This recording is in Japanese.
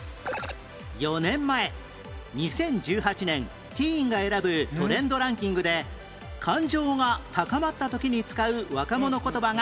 ４年前２０１８年ティーンが選ぶトレンドランキングで感情が高まった時に使う若者言葉が第１位に